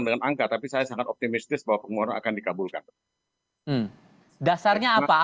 dasarnya apa pernyataan kunci bukti kunci apa yang mungkin akan dijadikan dasar